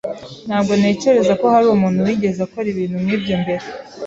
Ntabwo ntekereza ko hari umuntu wigeze akora ibintu nkibyo mbere.